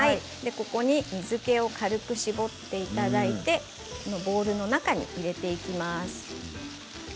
ここに水けを軽く絞っていただいてボウルの中に入れていきます。